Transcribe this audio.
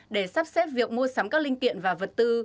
để sắp xếp việc mua sắm các linh kiện và vật tư